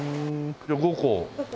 じゃあ５個。